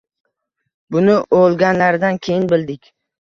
Buni o‘lganlaridan keyin bildik!